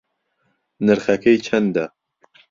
نرخەکەی چەندە